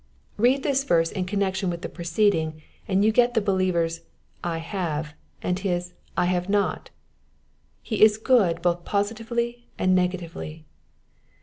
Read this verse in connection with the preceding and you get the believer's! have," and his I have not": he is good both posi tively and negatively.